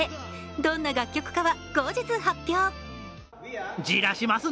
どんな楽曲かは、後日発表。